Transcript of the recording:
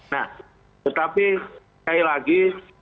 nah tetapi sekali lagi